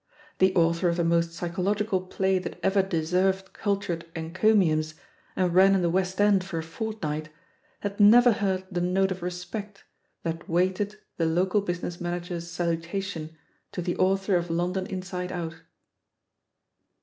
The author of the most psychological play that ever deserved cultured encomiimis and ran in the West End for a fortm'ght had never heard the note of re spect that weighted the local business manager's 160 THE POSITION OF PEGGY HARPER salutation to the author of London Inside Old.